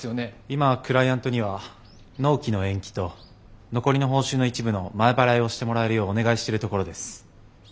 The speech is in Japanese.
今クライアントには納期の延期と残りの報酬の一部の前払いをしてもらえるようお願いしてるところです。